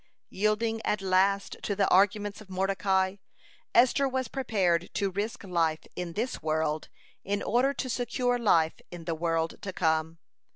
(140) Yielding at last to the arguments of Mordecai, Esther was prepared to risk life in this world, in order to secure life in the world to come.